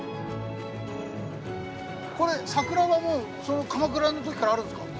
これ桜がもう鎌倉の時からあるんですか？